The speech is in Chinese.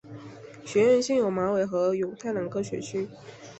学院现有马尾和永泰两个校区。